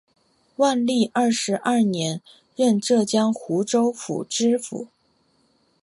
万历二十二年任浙江湖州府知府。